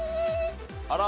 あら？